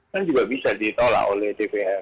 kan juga bisa ditolak oleh dpr